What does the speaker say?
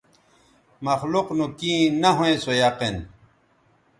مخلوق نو کیں نہ ھویں سو یقین